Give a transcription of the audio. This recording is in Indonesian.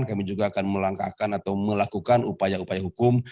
kami juga akan melangkahkan atau melakukan upaya upaya hukum